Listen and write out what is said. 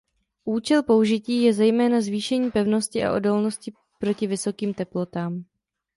Účel použití je zejména zvýšení pevnosti a odolnosti proti vysokým teplotám.